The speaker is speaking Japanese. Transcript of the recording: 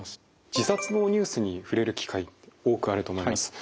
自殺のニュースに触れる機会って多くあると思います。